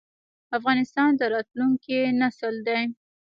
افغانستان د راتلونکي نسل دی